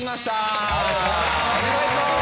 お願いします。